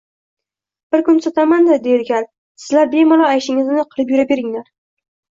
Bir kun tuzataman-da, debdi kal, sizlar bemalol ayshingizni qilib yura beringlar